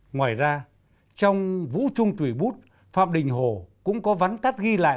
ngoài ra trong vũ trung tùy bút phạm đình hồ cũng có vắn tắt ghi lại